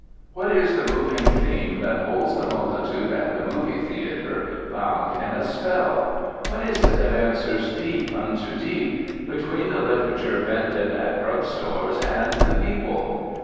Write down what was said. What is the moving theme that holds the multitude at the movie theatre bound in a spell? What is it that answers deep unto deep between the literature vended at drug stores and the people?